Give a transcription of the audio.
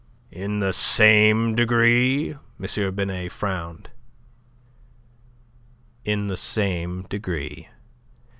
"In the same degree?" M. Binet frowned. "In the same degree.